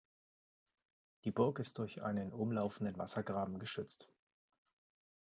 Die Burg ist durch einen umlaufenden Wassergraben geschützt.